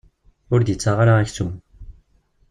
Ur d-ittaɣ ara aksum.